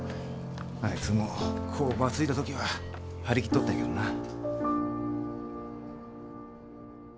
あいつも工場継いだ時は張り切っとったんやけどなぁ。